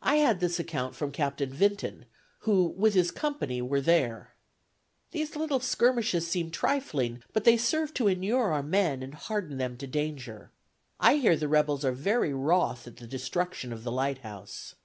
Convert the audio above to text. I had this account from Captain Vinton, who with his company, were there. These little skirmishes seem trifling, but they serve to inure our men, and harden them to danger. I hear the rebels are very wroth at the destruction of the Lighthouse.